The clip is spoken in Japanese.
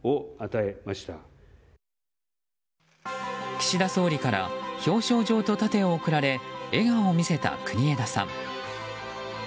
岸田総理から表彰状と盾を贈られ笑顔を見せた国枝さん。